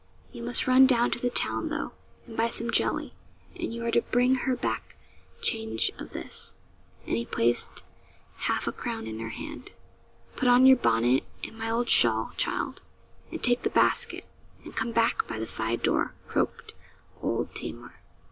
You must run down to the town, though, and buy some jelly, and you are to bring her back change of this.' And he placed half a crown in her hand. 'Put on your bonnet and my old shawl, child; and take the basket, and come back by the side door,' croaked old Tamar.